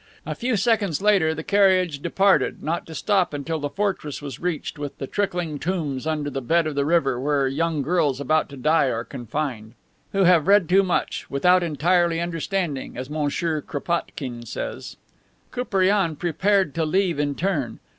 A few seconds later the carriage departed, not to stop until the fortress was reached with the trickling tombs under the bed of the river where young girls about to die are confined who have read too much, without entirely understanding, as Monsieur Kropotkine says. Koupriane prepared to leave in turn.